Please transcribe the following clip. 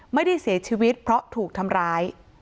ไม่ได้เสียชีวิตเพราะถูกทำร้าย